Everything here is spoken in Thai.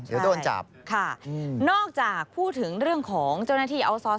เดี๋ยวโดนจับค่ะนอกจากพูดถึงเรื่องของเจ้าหน้าที่อัลซอส